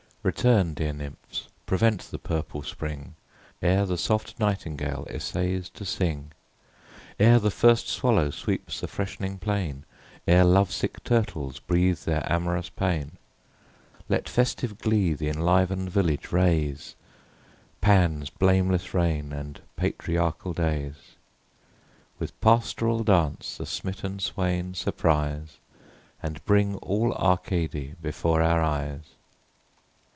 Return, dear nymphs; prevent the purple spring, Ere the soft nightingale essays to sing; Ere the first swallow sweeps the fresh'ning plain, Ere love sick turtles breathe their amorous pain; Let festive glee th' enliven'd village raise, Pan's blameless reign, and patriarchal days; With pastoral dance the smitten swain surprise, And bring all Arcady before our eyes.